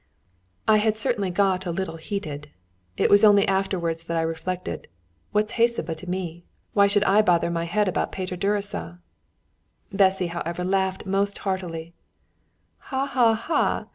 I had certainly got a little heated. It was only afterwards that I reflected, "What's Hecuba to me? Why should I bother my head about Peter Gyuricza?" Bessy, however, laughed most heartily. "Ha! ha! ha!